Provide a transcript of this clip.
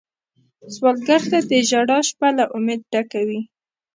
سوالګر ته د ژړا شپه له امید ډکه وي